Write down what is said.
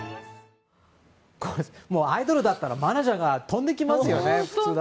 アイドルだったらマネジャーが飛んできますよね。